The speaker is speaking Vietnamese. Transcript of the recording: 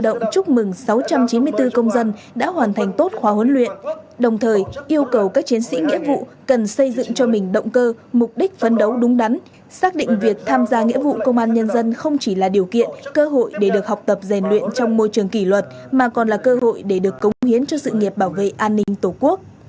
động chúc mừng sáu trăm chín mươi bốn công dân đã hoàn thành tốt khóa huấn luyện đồng thời yêu cầu các chiến sĩ nghĩa vụ cần xây dựng cho mình động cơ mục đích phấn đấu đúng đắn xác định việc tham gia nghĩa vụ công an nhân dân không chỉ là điều kiện cơ hội để được học tập rèn luyện trong môi trường kỷ luật mà còn là cơ hội để được cống hiến cho sự nghiệp bảo vệ an ninh tổ quốc